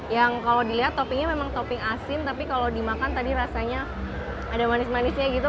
yang kalau dilihat toppingnya memang topping asin tapi kalau dimakan tadi rasanya ada manis manisnya gitu